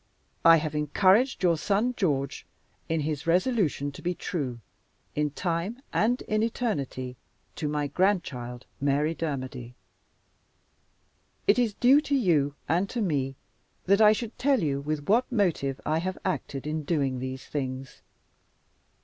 I have encouraged your son George in his resolution to be true, in time and in eternity, to my grandchild, Mary Dermody. "It is due to you and to me that I should tell you with what motive I have acted in doing these things.